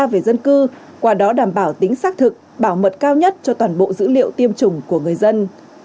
về dân cư qua đó đảm bảo tính xác thực bảo mật cao nhất cho toàn bộ dữ liệu tiêm chủng của người dân